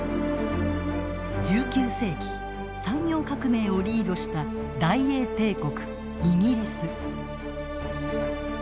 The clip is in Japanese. １９世紀産業革命をリードした大英帝国イギリス。